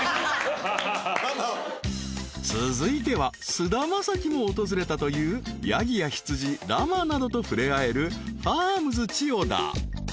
［続いては菅田将暉も訪れたというヤギや羊ラマなどと触れ合えるファームズ千代田］